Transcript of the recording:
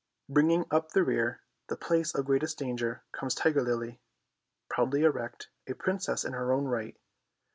Bringing up the rear, the place of greatest danger, comes Tiger Lily, proudly erect, a princess in her own right.